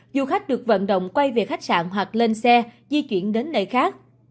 du khách được vận động quay về khách sạn hoặc lên xe di chuyển đến nơi khác